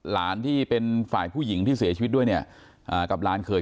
หลานที่เป็นฝ่ายผู้หญิงที่เสียชีวิตด้วยเนี่ยกับหลานเคย